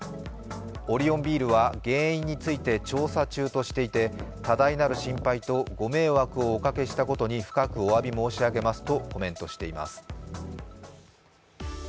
オリオンビールは原因について調査中としていて多大なる心配と、ご迷惑をおかけしたことに深くおわび申し上げますとコメントしています。